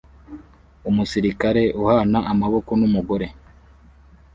Umusirikare uhana amaboko n'umugore